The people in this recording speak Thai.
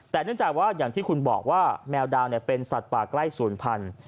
แต่เนื่องจากว่าอย่างที่คุณบอกว่าแมวดาวเป็นสัตว์ป่าใกล้ศูนย์พันธุ์